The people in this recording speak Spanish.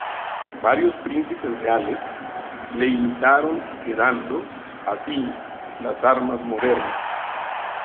Varios príncipes reales, le imitaron quedando, así, las armas modernas.